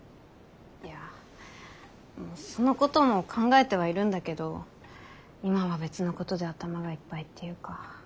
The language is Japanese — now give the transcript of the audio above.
いやそのことも考えてはいるんだけど今は別のことで頭がいっぱいっていうか。